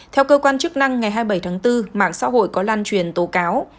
theo cơ quan chức năng ngày hai mươi bảy tháng bốn mạng xã hội có lan truyền tố cáo